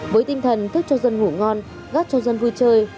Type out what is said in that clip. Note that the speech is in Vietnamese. với tinh thần thức cho dân ngủ ngon gác cho dân vui chơi